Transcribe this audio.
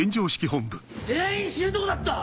全員死ぬところだった！